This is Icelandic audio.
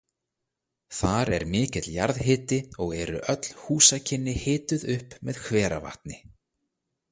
Þar er mikill jarðhiti og eru öll húsakynni hituð upp með hveravatni.